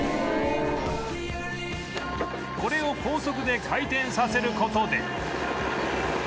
これを高速で回転させる事で